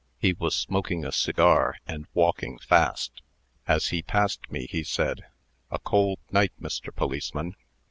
He was smoking a cigar, and walking fast. As he passed me, he said, 'A cold night, Mr. Policeman.'